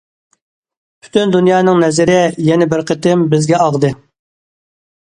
پۈتۈن دۇنيانىڭ نەزىرى يەنە بىر قېتىم بىزگە ئاغدى.